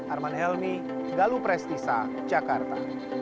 arman helmi galuh prestisa jakarta